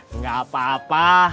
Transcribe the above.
enggak apa apa